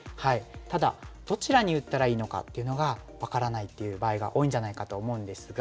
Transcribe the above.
ただどちらに打ったらいいのかっていうのが分からないっていう場合が多いんじゃないかと思うんですが。